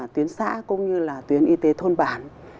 tuyến xã cũng như là tuyến y tế thôn bản